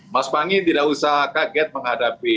mas pangi tidak usah kaget menghadapi